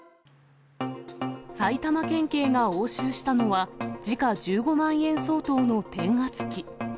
埼玉県警が押収したのは、時価１５万円相当の転圧機。